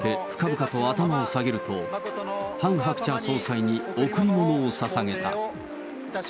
夫婦そろって深々と頭を下げると、ハン・ハクチャ総裁に贈り物をささげた。